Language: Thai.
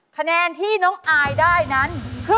คะแนนที่น้องอายได้นั้นคือ